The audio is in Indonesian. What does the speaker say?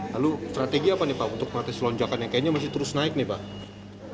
lalu strategi apa nih pak untuk mengatasi lonjakan yang kayaknya masih terus naik nih pak